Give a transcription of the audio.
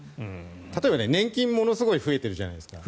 例えば年金、ものすごい増えているじゃないですか。